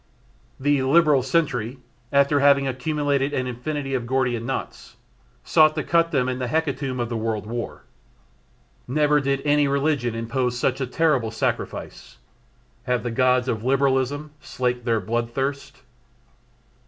The "Liberal Century" after having accumulated an infinity of Gordian knots, sought to cut them in the hecatomb of the World War. Never did any religion impose such a terrible sacrifice. Have the gods of Liberalism slaked their blood thirst?